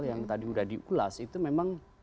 yang tadi sudah diulas itu memang